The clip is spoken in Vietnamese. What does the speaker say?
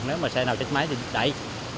nếu mà xe nào chết máy thì chạy